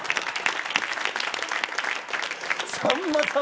さんまさん